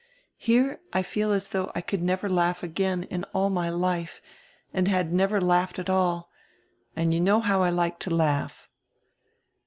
Here I feel as though I could never laugh again in all my life and had never laughed at all, and you know how I like to laugh."